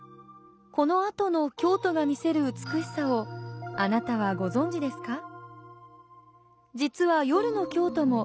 このあとの京都が見せる美しさをあなたはご存じですか。